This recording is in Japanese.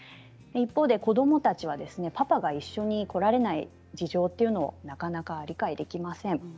一方で子どもたちはパパが一緒に来られない事情をなかなか理解できません。